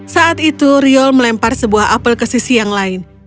saat itu riol melempar sebuah apel ke sisi yang lain